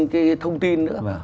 cái thông tin nữa